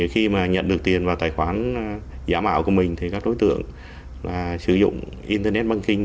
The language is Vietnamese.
khi mà nhận được tiền vào tài khoản giả mạo của mình thì các đối tượng sử dụng internet banking